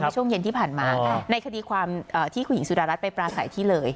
ช่วงเย็นที่ผ่านมาในคดีความที่คุณหญิงสุดารัฐไปปราศัยที่เลย